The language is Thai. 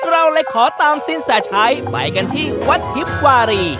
เราเลยขอตามสินแสชัยไปกันที่วัดทิพย์วารี